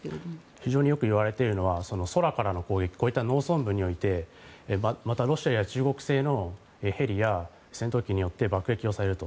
非常によくいわれているのは空からの攻撃こういった農村部においてまた、ロシアや中国製のヘリや戦闘機によって爆撃されると。